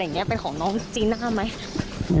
นางนาคะนี่คือยายน้องจีน่าคุณยายถ้าแท้เลย